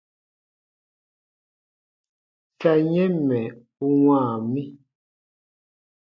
Sa yɛ̃ mɛ̀ u wãa mi.